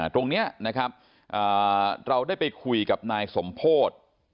ตรงนี้เราได้ไปคุยกับนายสมโภช